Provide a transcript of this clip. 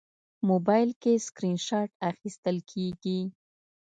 موبایل کې سکرین شات اخیستل کېږي.